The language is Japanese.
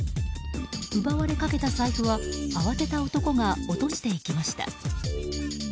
奪われかけた財布は慌てた男が落としていきました。